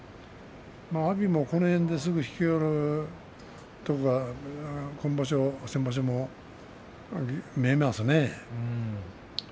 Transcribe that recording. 阿炎もこの辺ですぐに引いてしまうことが今場所も先場所も見えますね。